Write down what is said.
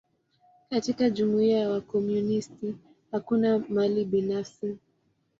Katika jumuia ya wakomunisti, hakuna mali binafsi.